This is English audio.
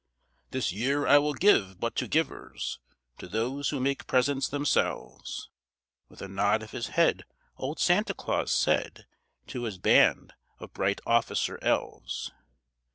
'This year I will give but to givers, To those who make presents themselves,' With a nod of his head old Santa Claus said To his band of bright officer elves.